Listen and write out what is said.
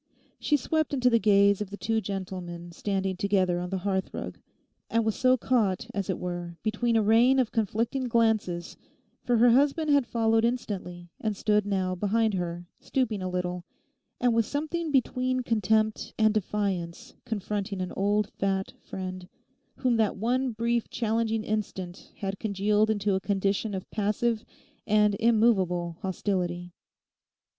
She swept into the gaze of the two gentlemen standing together on the hearthrug; and so was caught, as it were, between a rain of conflicting glances, for her husband had followed instantly, and stood now behind her, stooping a little, and with something between contempt and defiance confronting an old fat friend, whom that one brief challenging instant had congealed into a condition of passive and immovable hostility.